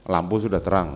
lampu sudah terang